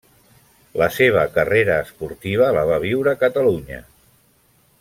La seva carrera esportiva la va viure a Catalunya.